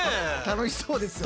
楽しそうですよね。